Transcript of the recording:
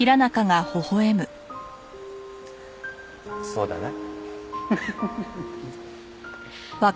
そうだな。